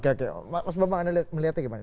oke oke mas bapak anda melihatnya gimana